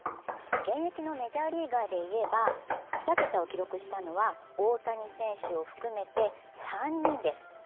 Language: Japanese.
現役のメジャーリーガーでいえば２桁を記録したのは大谷選手を含めて３人です。